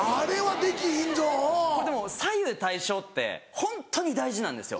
でも左右対称ってホントに大事なんですよ。